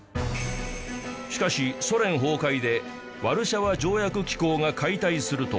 しかしソ連崩壊でワルシャワ条約機構が解体すると